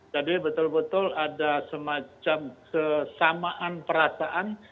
jadi betul betul ada semacam kesamaan perasaan